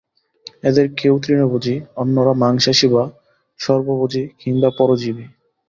এদের কেউ তৃণভোজী, অন্যরা মাংসাশী বা সর্বভোজী কিংবা পরজীবী।